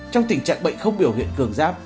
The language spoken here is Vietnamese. trong tình trạng bệnh không biểu hiện cường giáp